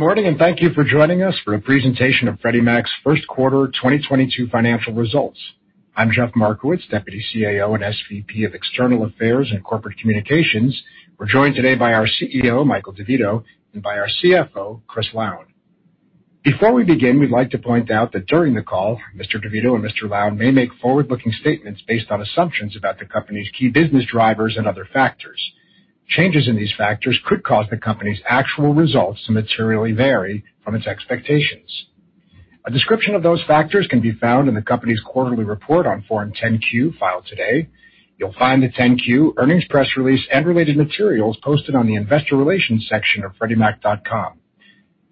Good morning, and thank you for joining us for a presentation of Freddie Mac's first quarter 2022 financial results. I'm Jeff Markowitz, Deputy CAO and SVP of External Affairs and Corporate Communications. We're joined today by our CEO, Michael DeVito, and by our CFO, Chris Lown. Before we begin, we'd like to point out that during the call, Mr. DeVito and Mr. Lown may make forward-looking statements based on assumptions about the company's key business drivers and other factors. Changes in these factors could cause the company's actual results to materially vary from its expectations. A description of those factors can be found in the company's quarterly report on Form 10-Q filed today. You'll find the 10-Q earnings press release and related materials posted on the investor relations section of freddiemac.com.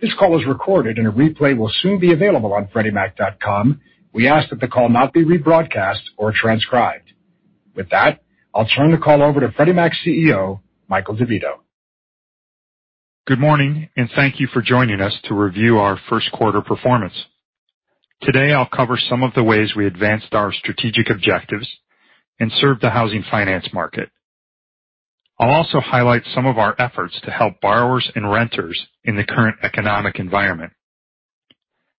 This call is recorded and a replay will soon be available on freddiemac.com. We ask that the call not be rebroadcast or transcribed. With that, I'll turn the call over to Freddie Mac's CEO, Michael DeVito. Good morning, and thank you for joining us to review our first quarter performance. Today, I'll cover some of the ways we advanced our strategic objectives and served the housing finance market. I'll also highlight some of our efforts to help borrowers and renters in the current economic environment.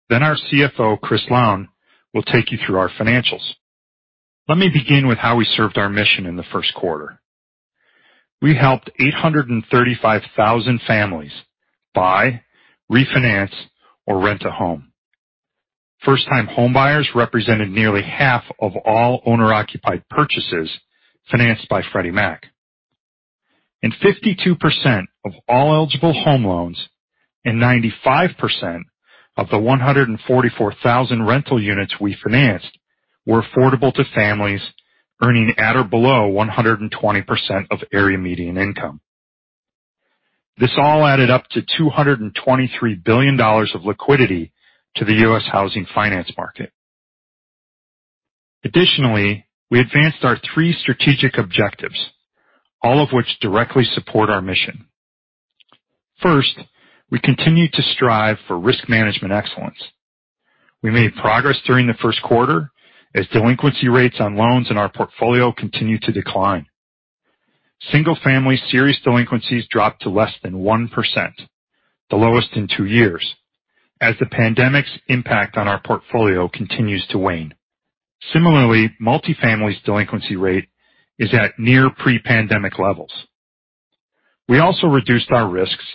Then our CFO, Chris Lown, will take you through our financials. Let me begin with how we served our mission in the first quarter. We helped 835,000 families buy, refinance, or rent a home. First-time homebuyers represented nearly half of all owner-occupied purchases financed by Freddie Mac. 52% of all eligible home loans and 95% of the 144,000 rental units we financed were affordable to families earning at or below 120% of area median income. This all added up to $223 billion of liquidity to the U.S housing finance market. Additionally, we advanced our three strategic objectives, all of which directly support our mission. First, we continue to strive for risk management excellence. We made progress during the first quarter as delinquency rates on loans in our portfolio continued to decline. Single-family serious delinquencies dropped to less than 1%, the lowest in two years, as the pandemic's impact on our portfolio continues to wane. Similarly, multifamily's delinquency rate is at near pre-pandemic levels. We also reduced our risks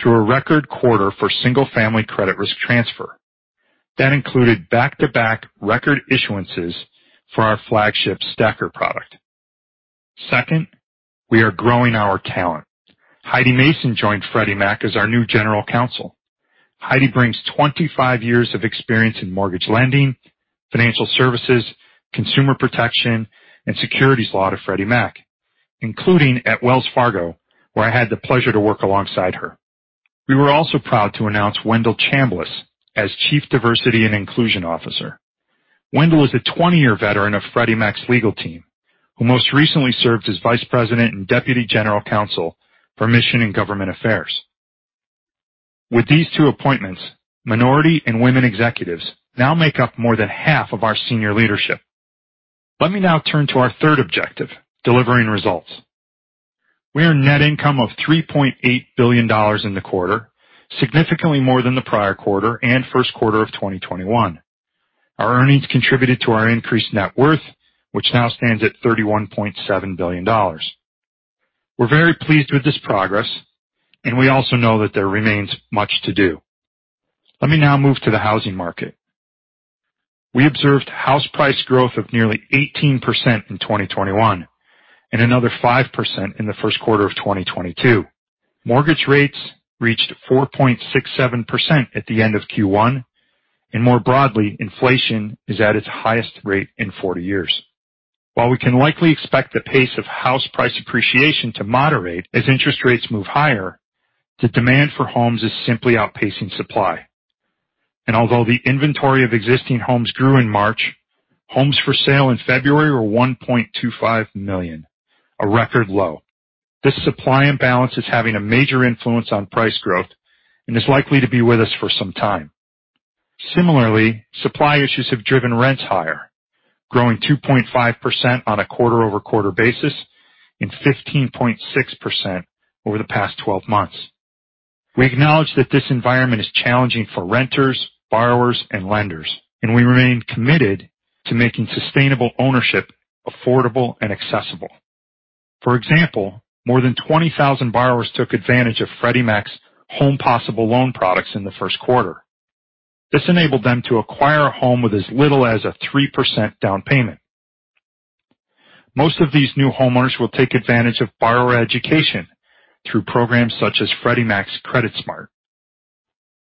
through a record quarter for single-family credit risk transfer. That included back-to-back record issuances for our flagship STACR product. Second, we are growing our talent. Heidi Mason joined Freddie Mac as our new general counsel. Heidi Mason brings 25 years of experience in mortgage lending, financial services, consumer protection, and securities law to Freddie Mac, including at Wells Fargo, where I had the pleasure to work alongside her. We were also proud to announce Wendell Chambliss as Chief Diversity and Inclusion Officer. Wendell is a 20-year veteran of Freddie Mac's legal team, who most recently served as Vice President and Deputy General Counsel for Mission and Government Affairs. With these two appointments, minority and women executives now make up more than half of our senior leadership. Let me now turn to our third objective, delivering results. We earned net income of $3.8 billion in the quarter, significantly more than the prior quarter and first quarter of 2021. Our earnings contributed to our increased net worth, which now stands at $31.7 billion. We're very pleased with this progress, and we also know that there remains much to do. Let me now move to the housing market. We observed house price growth of nearly 18% in 2021 and another 5% in the first quarter of 2022. Mortgage rates reached 4.67% at the end of Q1, and more broadly, inflation is at its highest rate in 40 years. While we can likely expect the pace of house price appreciation to moderate as interest rates move higher, the demand for homes is simply outpacing supply. Although the inventory of existing homes grew in March, homes for sale in February were 1.25 million, a record low. This supply imbalance is having a major influence on price growth and is likely to be with us for some time. Similarly, supply issues have driven rents higher, growing 2.5% on a quarter-over-quarter basis and 15.6% over the past twelve months. We acknowledge that this environment is challenging for renters, borrowers, and lenders, and we remain committed to making sustainable ownership affordable and accessible. For example, more than 20,000 borrowers took advantage of Freddie Mac's Home Possible loan products in the first quarter. This enabled them to acquire a home with as little as a 3% down payment. Most of these new homeowners will take advantage of borrower education through programs such as Freddie Mac's CreditSmart.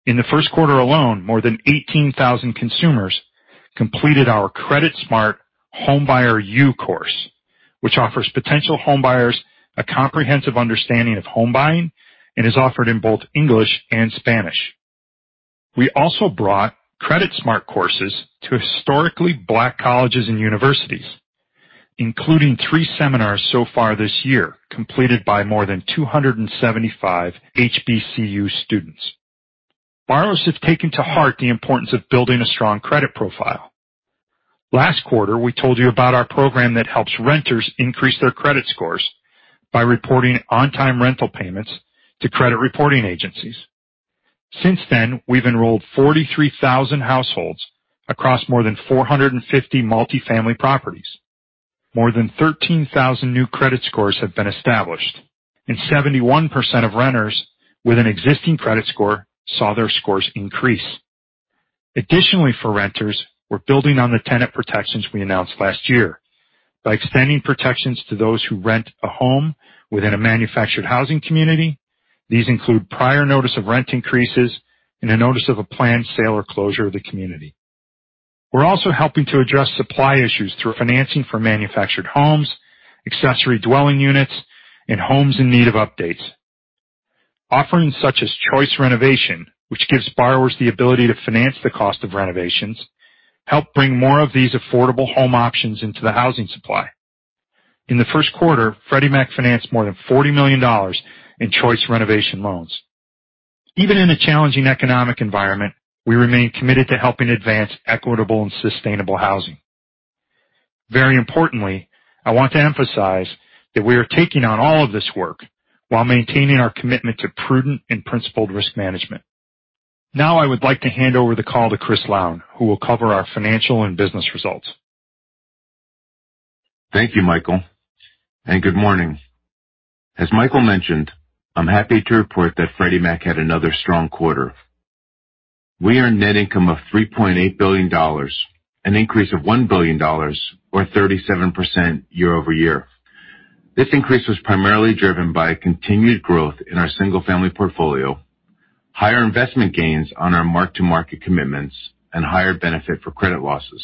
In the first quarter alone, more than 18,000 consumers completed our CreditSmart Homebuyer U course, which offers potential homebuyers a comprehensive understanding of home buying and is offered in both English and Spanish. We also brought CreditSmart courses to Historically Black Colleges and Universities, including three seminars so far this year, completed by more than 275 HBCU students. Borrowers have taken to heart the importance of building a strong credit profile. Last quarter, we told you about our program that helps renters increase their credit scores by reporting on-time rental payments to credit reporting agencies. Since then, we've enrolled 43,000 households across more than 450 multifamily properties. More than 13,000 new credit scores have been established, and 71% of renters with an existing credit score saw their scores increase. Additionally, for renters, we're building on the tenant protections we announced last year by extending protections to those who rent a home within a manufactured housing community. These include prior notice of rent increases and a notice of a planned sale or closure of the community. We're also helping to address supply issues through financing for manufactured homes, accessory dwelling units, and homes in need of updates. Offerings such as CHOICERenovation, which gives borrowers the ability to finance the cost of renovations, help bring more of these affordable home options into the housing supply. In the first quarter, Freddie Mac financed more than $40 million in CHOICERenovation loans. Even in a challenging economic environment, we remain committed to helping advance equitable and sustainable housing. Very importantly, I want to emphasize that we are taking on all of this work while maintaining our commitment to prudent and principled risk management. Now I would like to hand over the call to Chris Lown, who will cover our financial and business results. Thank you, Michael, and good morning?. As Michael mentioned, I'm happy to report that Freddie Mac had another strong quarter. We earned net income of $3.8 billion, an increase of $1 billion or 37% year-over-year. This increase was primarily driven by continued growth in our single-family portfolio, higher investment gains on our mark-to-market commitments, and higher benefit for credit losses.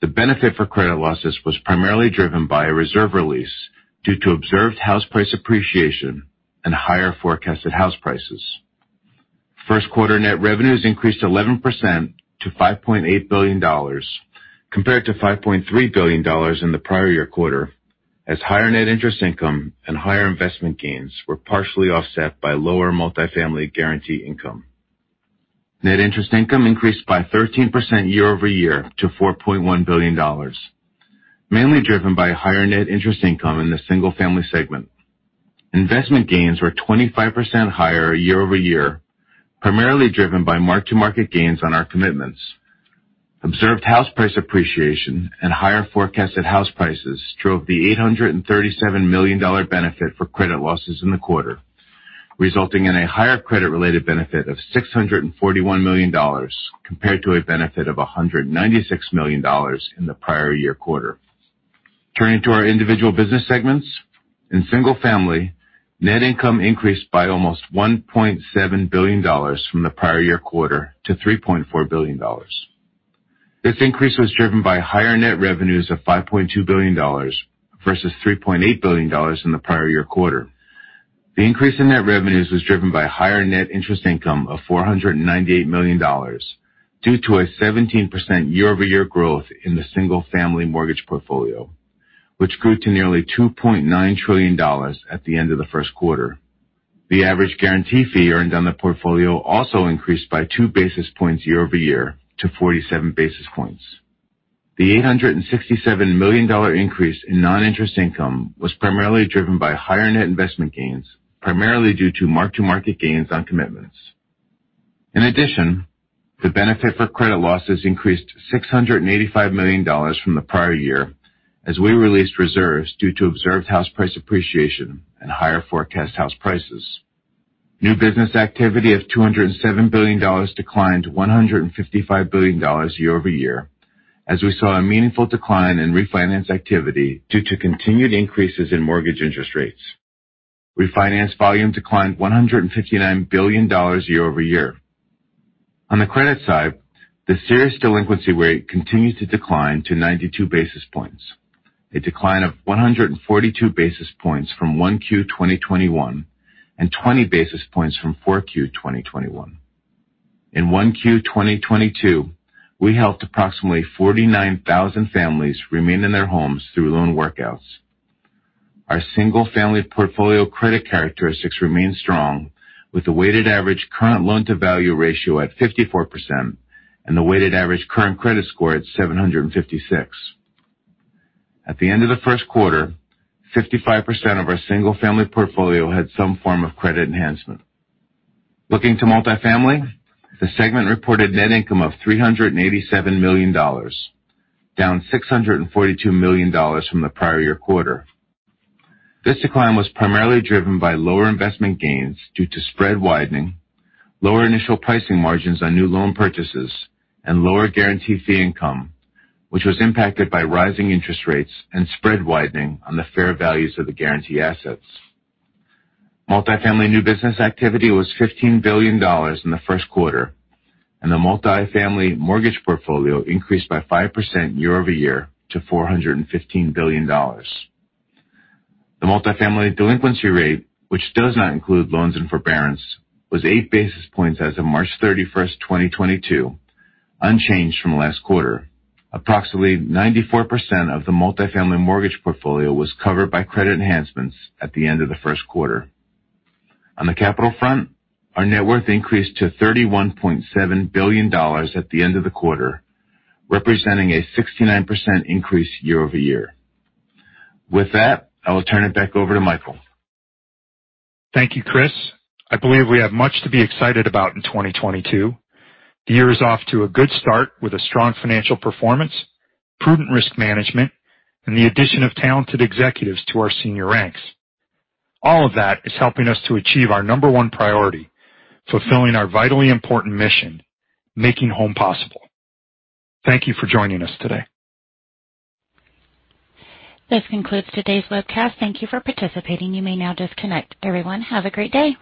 The benefit for credit losses was primarily driven by a reserve release due to observed house price appreciation and higher forecasted house prices. First quarter net revenues increased 11% to $5.8 billion compared to $5.3 billion in the prior year quarter, as higher net interest income and higher investment gains were partially offset by lower multifamily guarantee income. Net interest income increased by 13% year-over-year to $4.1 billion, mainly driven by higher net interest income in the single-family segment. Investment gains were 25% higher year-over-year, primarily driven by mark-to-market gains on our commitments. Observed house price appreciation and higher forecasted house prices drove the $837 million dollar benefit for credit losses in the quarter, resulting in a higher credit-related benefit of $641 million dollars compared to a benefit of $196 million dollars in the prior year quarter. Turning to our individual business segments. In single-family, net income increased by almost $1.7 billion dollars from the prior year quarter to $3.4 billion dollars. This increase was driven by higher net revenues of $5.2 billion versus $3.8 billion in the prior year quarter. The increase in net revenues was driven by higher net interest income of $498 million due to a 17% year-over-year growth in the single-family mortgage portfolio, which grew to nearly $2.9 trillion at the end of the first quarter. The average guarantee fee earned on the portfolio also increased by two basis points year-over-year to 47 basis points. The $867 million increase in non-interest income was primarily driven by higher net investment gains, primarily due to mark-to-market gains on commitments. In addition, the benefit for credit losses increased $685 million from the prior year as we released reserves due to observed house price appreciation and higher forecast house prices. New business activity of $207 billion declined $155 billion YoY as we saw a meaningful decline in refinance activity due to continued increases in mortgage interest rates. Refinance volume declined $159 billion YoY. On the credit side, the serious delinquency rate continued to decline to 92 basis points, a decline of 142 basis points from 1Q 2021 and 20 basis points from 4Q 2021. In 1Q 2022, we helped approximately 49,000 families remain in their homes through loan workouts. Our single-family portfolio credit characteristics remain strong with the weighted average current loan-to-value ratio at 54% and the weighted average current credit score at 756. At the end of the first quarter, 55% of our single-family portfolio had some form of credit enhancement. Looking to multifamily, the segment reported net income of $387 million, down $642 million from the prior year quarter. This decline was primarily driven by lower investment gains due to spread widening, lower initial pricing margins on new loan purchases, and lower guarantee fee income, which was impacted by rising interest rates and spread widening on the fair values of the guarantee assets. Multifamily new business activity was $15 billion in the first quarter, and the multifamily mortgage portfolio increased by 5% year-over-year to $415 billion. The multifamily delinquency rate, which does not include loans in forbearance, was 8 basis points as of March 31, 2022, unchanged from last quarter. Approximately 94% of the multifamily mortgage portfolio was covered by credit enhancements at the end of the first quarter. On the capital front, our net worth increased to $31.7 billion at the end of the quarter, representing a 69% increase YoY. With that, I will turn it back over to Michael. Thank you, Chris. I believe we have much to be excited about in 2022. The year is off to a good start with a strong financial performance, prudent risk management, and the addition of talented executives to our senior ranks. All of that is helping us to achieve our number one priority, fulfilling our vitally important mission, making home possible. Thank you for joining us today. This concludes today's webcast. Thank you for participating, you may now disconnect. Everyone, have a great day.